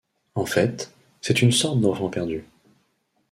En fait, c’est une sorte d’enfant perdu.